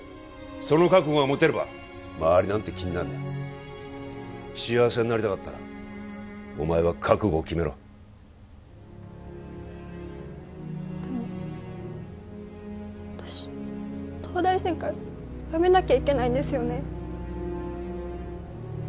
その覚悟が持てれば周りなんて気にならない幸せになりたかったらお前は覚悟を決めろでも私東大専科やめなきゃいけないんですよね？